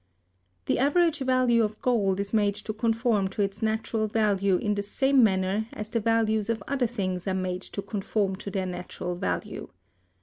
The average value of gold is made to conform to its natural value in the same manner as the values of other things are made to conform to their natural value.